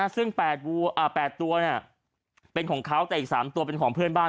ซึ่ง๘ตัวเป็นของเขาแต่อีก๓ตัวเป็นของเพื่อนบ้าน